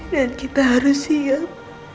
dan kita harus siap